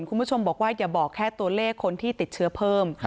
คุณผู้ชมบอกว่าอย่าบอกแค่ตัวเลขคนที่ติดเชื้อเพิ่ม